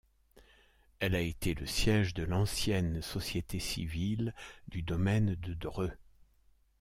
Elle a été le siège de l’ancienne Société civile du Domaine de Dreux.